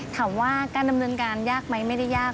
ถามว่าการดำเนินการยากไหมไม่ได้ยาก